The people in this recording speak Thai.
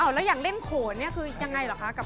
แล้วอย่างเล่นโขนเนี่ยคือยังไงหรอคะ